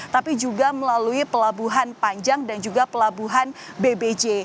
tapi juga melalui pelabuhan panjang dan juga pelabuhan bbj